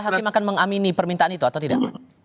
hakim akan mengamini permintaan itu atau tidak